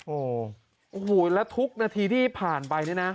โอ้โหแล้วทุกนาทีที่ผ่านไปเนี่ยนะ